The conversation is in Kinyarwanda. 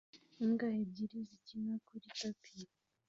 Imbwa ebyiri zikina kuri tapi